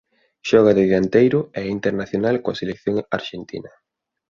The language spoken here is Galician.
Xoga de dianteiro e é internacional coa selección arxentina.